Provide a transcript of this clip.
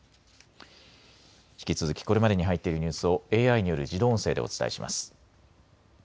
引き続きこれまでに入っているニュースをＡＩによる自動音声でお伝えします。